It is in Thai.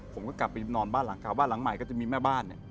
ผมก็กลับไปนอนบ้านหลังเขาบ้านหลังใหม่ก็จะมีแม่บ้านเนี่ย